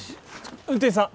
運転手さん